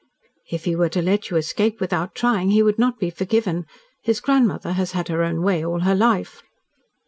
"If he were to let you escape without trying, he would not be forgiven. His grandmother has had her own way all her life."